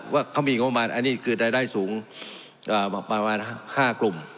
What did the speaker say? ว่าเขามีโมมันอันนี้คือรายได้สูงอ่าประมาณห้ากลุ่ม